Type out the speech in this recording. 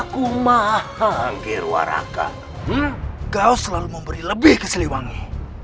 kau selalu memberikan lebih ke sriwangi